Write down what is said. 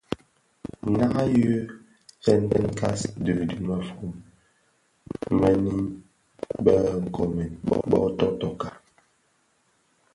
Naa yi stëňkas dhi mëfon mënin bë nkoomèn bō totoka.